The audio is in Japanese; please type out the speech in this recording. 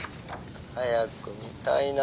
早く見たいな。